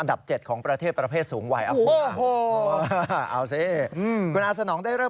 แล้วปั่นระยะทางไกลจะเป็นอย่างไร